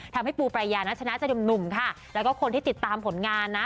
ทำให้ปูปรายานัชนะจะหนุ่มค่ะแล้วก็คนที่ติดตามผลงานนะ